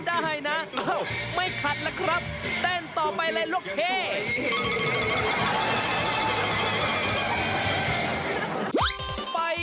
สวมการของเรา